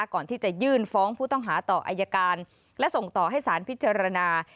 ก่อนที่จะยื่นฟ้องผู้ต้องหาต่ออายการและส่งต่อให้สารพิจารณา